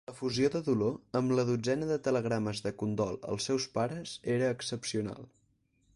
L'efusió de dolor, amb la dotzena de telegrames de condol als seus pares, era excepcional.